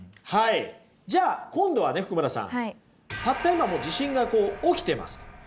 じゃあ今度はね福村さんたった今地震が起きてますと。